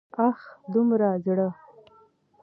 اه! دومره زړه!